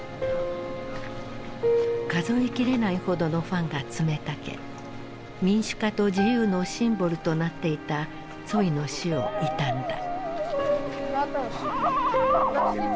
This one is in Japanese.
数え切れないほどのファンが詰めかけ民主化と自由のシンボルとなっていたツォイの死を悼んだ。